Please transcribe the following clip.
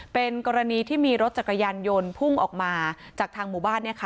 เป็นกรณีที่มีรถจักรยานยนต์พุ่งออกมาจากทางหมู่บ้าน